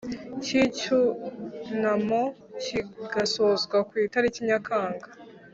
cy icyunamo kigasozwa ku itariki ya Nyakanga